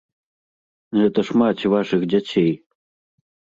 Гэта ж маці вашых дзяцей!